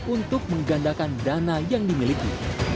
untuk menggandakan dana yang dimiliki